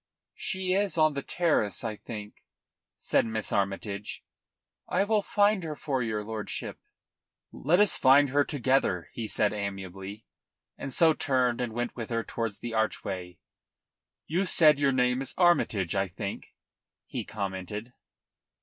"She is on the terrace, I think," said Miss Armytage. "I will find her for your lordship." "Let us find her together," he said amiably, and so turned and went with her towards the archway. "You said your name is Armytage, I think?" he commented.